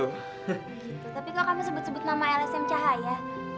tapi kalau kamu sebut sebut nama lsm cahaya